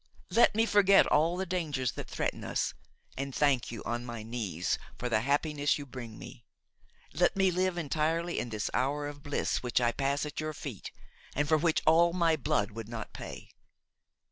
Let me forget all the dangers that threaten us and thank you on my knees for the happiness you bring me; let me live entirely in this hour of bliss which I pass at your feet and for which all my blood would not pay.